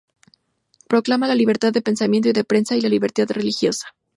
Proclama la libertad de pensamiento y de prensa, y la libertad religiosa.